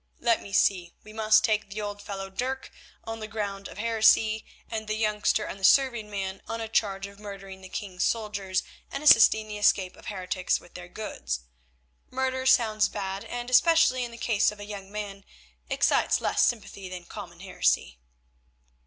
Let me see, we must take the old fellow, Dirk, on the ground of heresy, and the youngster and the serving man on a charge of murdering the king's soldiers and assisting the escape of heretics with their goods. Murder sounds bad, and, especially in the case of a young man, excites less sympathy than common heresy."